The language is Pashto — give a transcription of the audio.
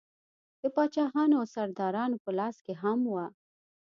د پاچاهانو او سردارانو په لاس کې هم وه.